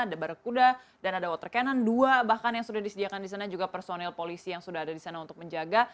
ada barakuda dan ada water cannon dua bahkan yang sudah disediakan di sana juga personil polisi yang sudah ada di sana untuk menjaga